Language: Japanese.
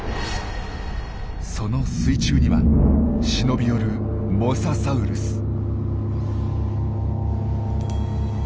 その水中には忍び寄るモササウルス。